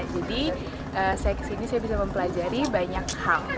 jadi saya ke sini saya bisa mempelajari banyak hal